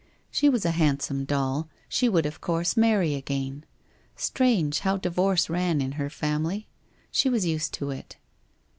... She was a handsome doll ; she would, of course, marry again. ... Strange, how di vorce ran in her family! She was used to it.